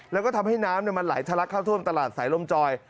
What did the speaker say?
แล้วก็ทำให้น้ำมันไหลทะลักเข้าท่วมตลาดสายลมจอย